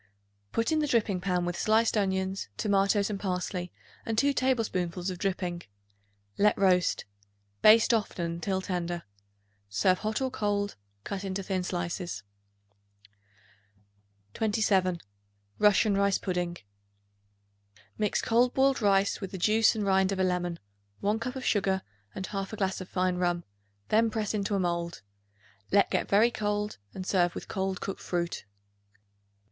Put in the dripping pan with sliced onions, tomatoes and parsley and 2 tablespoonfuls of dripping. Let roast; baste often until tender. Serve hot or cold, cut into thin slices. 27. Russian Rice Pudding. Mix cold boiled rice with the juice and rind of a lemon, 1 cup of sugar and 1/2 glass of fine rum; then press into a mold. Let get very cold and serve with cold cooked fruit.